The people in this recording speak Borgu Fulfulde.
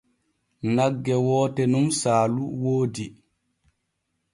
Nagge woote nun saalu woodi.